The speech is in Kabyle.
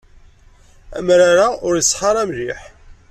Amrar-a ur iṣeḥḥa ara mliḥ.